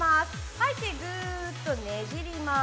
吐いてぐっとねじります。